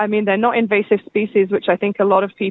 maksud saya mereka bukan spesies yang invasif